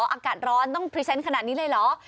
อากาศร้อนต้องพรีเซนต์ขนาดนี้เลยเหรอ